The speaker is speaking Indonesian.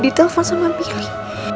di telpon sama pilih